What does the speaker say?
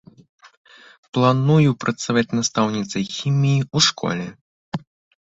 Планую працаваць настаўніцай хіміі ў школе.